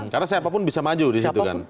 karena siapapun bisa maju di situ kan